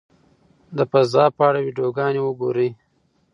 د فضا په اړه ویډیوګانې وګورئ.